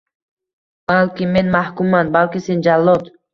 Balki men mahkumman, balki sen jallod.